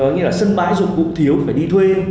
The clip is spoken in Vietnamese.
như là sân bãi dụng cụ thiếu thì phải đi thuê